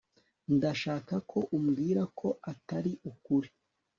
ndashaka ko umbwira ko atari ukuri